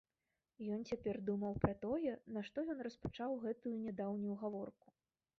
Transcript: Ён цяпер думаў пра тое, нашто ён распачаў гэтую нядаўнюю гаворку.